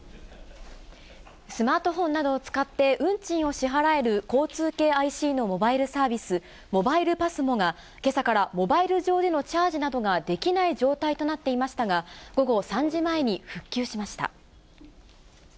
スマートフォンなどを使って運賃を支払える交通系ＩＣのモバイルサービス、モバイルＰＡＳＭＯが、けさからモバイル上でのチャージなどができない状態となっていましたが、午後３時前に復旧しました。